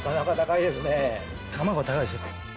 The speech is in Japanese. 卵高いです。